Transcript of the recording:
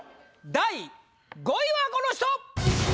第５位はこの人！